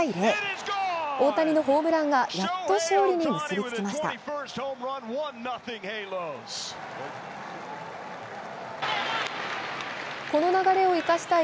大谷のホームランが、やっと勝利に結びつきました。